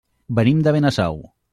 Venim de Benasau.